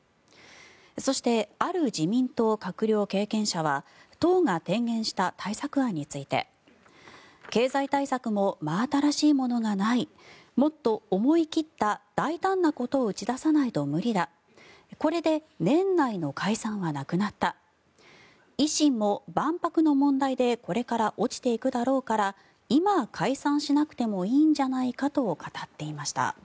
そして、ある自民党閣僚経験者は党が提言した対策案について経済対策も真新しいものがないもっと思い切った大胆なことを打ち出さないと無理だこれで年内の解散はなくなった維新も万博の問題でこれから落ちていくだろうから今、解散しなくてもいいんじゃないかと語っていました。